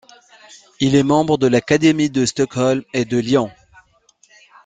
Il est membre de l’Académie de Stockholm et de Lyon.